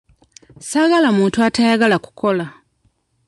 Saagala muntu atayagala kukola.